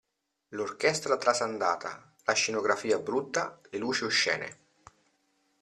L'orchestra trasandata, la scenografia brutta, le luci oscene.